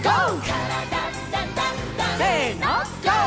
「からだダンダンダン」せのＧＯ！